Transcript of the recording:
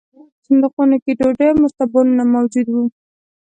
په صندوقونو کې ډوډۍ او مرتبانونه موجود وو